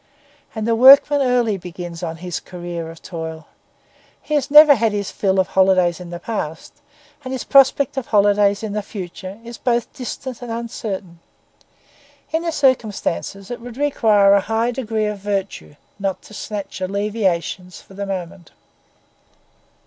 And the workman early begins on his career of toil. He has never had his fill of holidays in the past, and his prospect of holidays in the future is both distant and uncertain. In the circumstances, it would require a high degree of virtue not to snatch alleviations for the moment.